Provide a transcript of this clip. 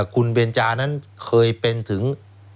คุณเบนจานั้นเคยเป็นถึง